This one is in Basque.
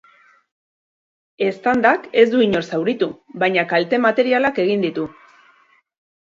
Eztandak ez du inor zauritu, baina kalte materialak egin ditu.